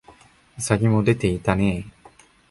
兎もでていたねえ